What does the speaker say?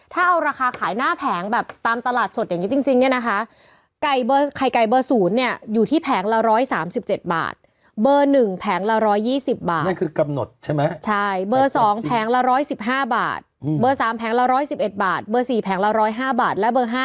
ถ้าเอาราคาขายหน้าแผงแบบตามตลาดสดอย่างนี้จริงเนี่ยนะคะ